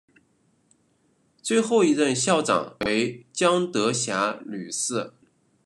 最后一任校长为江德霞女士。